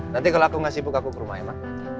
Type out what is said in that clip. nanti kalau aku gak sibuk aku ke rumah ya ma